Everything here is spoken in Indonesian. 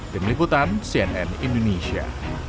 demikutan cnn indonesia